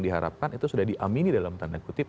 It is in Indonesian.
diharapkan itu sudah diamini dalam tanda kutip